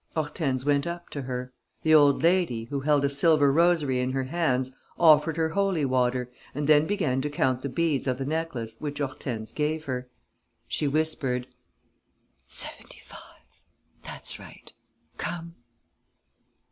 Hortense went up to her. The old lady, who held a silver rosary in her hands, offered her holy water and then began to count the beads of the necklace which Hortense gave her. She whispered: "Seventy five. That's right. Come."